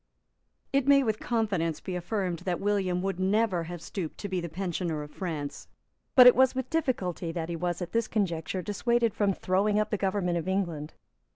It may with confidence be affirmed that William would never have stooped to be the pensioner of France; but it was with difficulty that he was, at this conjuncture, dissuaded from throwing up the government of England.